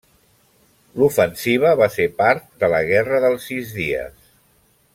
L'ofensiva va ser part de la Guerra dels Sis Dies.